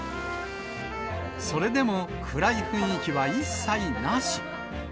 それでも暗い雰囲気は一切なし。